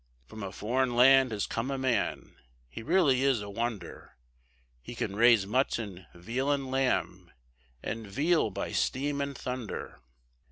From a foreign land has come a man He really is a wonder He can raise mutton, veal, and lamb, And veal by steam and thunder.